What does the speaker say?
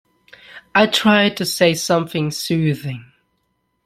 I tried to say something soothing.